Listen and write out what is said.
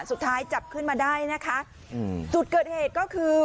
สุดท้ายจับขึ้นมาได้นะคะอืมจุดเกิดเหตุก็คือ